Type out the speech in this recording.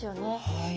はい。